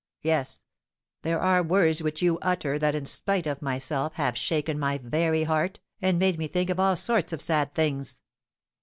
Yes, there are words which you utter, that, in spite of myself, have shaken my very heart, and made me think of all sorts of sad things."